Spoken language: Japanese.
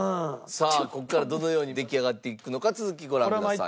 さあここからどのように出来上がっていくのか続きご覧ください。